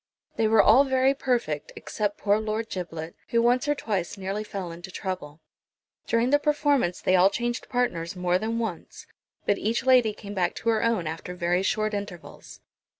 They were all very perfect, except poor Lord Giblet, who once or twice nearly fell into trouble. During the performance they all changed partners more than once, but each lady came back to her own after very short intervals.